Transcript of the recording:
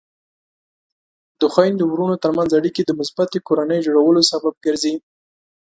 د خویندو ورونو ترمنځ اړیکې د مثبتې کورنۍ جوړولو سبب ګرځي.